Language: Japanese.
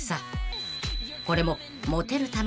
［これも］